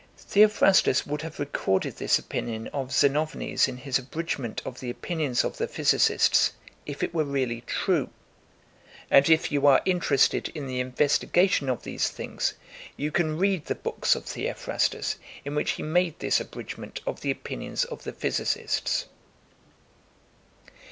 Theophrastos would have recorded this opinion of Xenophanes in his abridgment of the opinions of the physicists, if it were really true. And if you are interested in the investigation of these things, you can read the books of Theophrastos in which he made this abridgment of the opinions of the physicists.